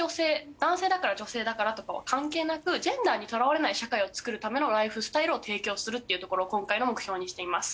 男性だから女性だからとかは関係なくジェンダーにとらわれない社会を作るためのライフスタイルを提供するっていうところを今回の目標にしています。